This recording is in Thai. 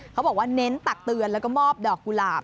เขาบอกว่าเน้นตักเตือนแล้วก็มอบดอกกุหลาบ